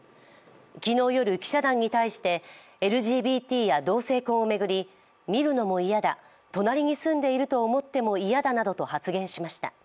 昨日夜、記者団に対してＬＧＢＴや同性婚を巡り見るのも嫌だ、隣に住んでいると思っても嫌だなどと発言しました。